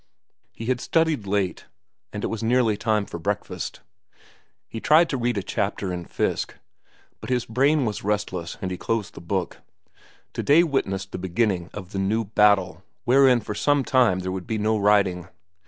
He had studied late, and it was nearly time for breakfast. He tried to read a chapter in Fiske, but his brain was restless and he closed the book. To day witnessed the beginning of the new battle, wherein for some time there would be no writing.